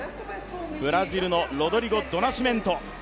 ブラジルのロドリゴ・ドナシメント。